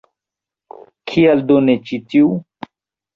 Kial do ne ĉi tiu?